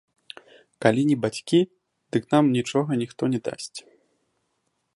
Калі не бацькі, дык нам нічога ніхто не дасць.